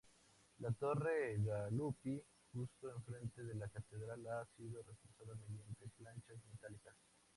La torre "Galuppi", justo enfrente de la catedral, ha sido reforzada mediante planchas metálicas.